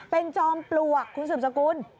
เป็นจอมปลวกคุณสืบสกุล